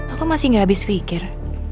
aku masih gak habis pikir